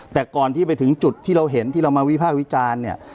แต่ก่อนที่ไปถึงจุดที่เราเห็นที่เรามาวิภาควิจารณ์เนี่ย